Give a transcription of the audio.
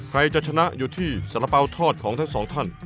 ใครจะชนะอยู่ที่สาระเป๋าทอดของทั้งสองท่าน